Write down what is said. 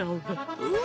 うん！